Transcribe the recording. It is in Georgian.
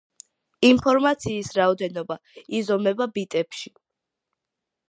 ინფორმაციის რაოდენობა იზომება ბიტებში.